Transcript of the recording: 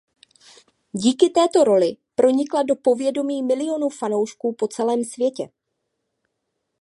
Díky této roli pronikla do povědomí milionů fanoušků po celém světě.